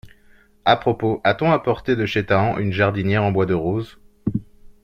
À propos, a-t-on apporté de chez Tahan une jardinière en bois de rose ?